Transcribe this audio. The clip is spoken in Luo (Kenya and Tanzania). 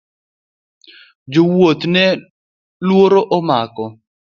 Jo wuoth ne luoro omako.